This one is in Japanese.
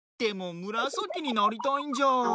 でもむらさきになりたいんじゃー。